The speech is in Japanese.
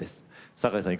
阪井さん